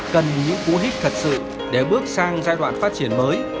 cần những vũ hích thật sự để bước sang giai đoạn phát triển mới